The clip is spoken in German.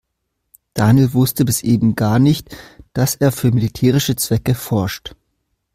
Daniel wusste bis eben gar nicht, dass er für militärische Zwecke forscht.